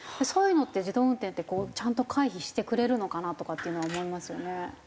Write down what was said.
そういうのって自動運転ってこうちゃんと回避してくれるのかなとかっていうのは思いますよね。